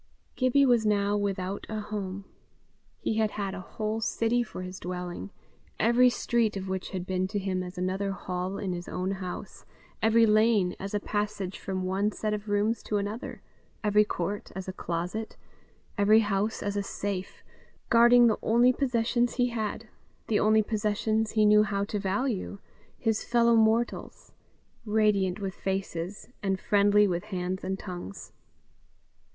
Gibbie was now without a home. He had had a whole city for his dwelling, every street of which had been to him as another hall in his own house, every lane as a passage from one set of rooms to another, every court as a closet, every house as a safe, guarding the only possessions he had, the only possessions he knew how to value his fellow mortals, radiant with faces, and friendly with hands and tongues.